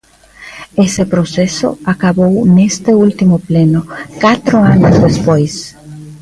Ese proceso acabou neste último pleno, catro anos despois.